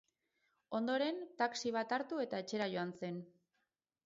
Ondoren, taxi bat hartu eta etxera joan zen.